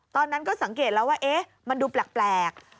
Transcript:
ตอนนั้นก็สังเกตแล้วว่ามันดูแปลก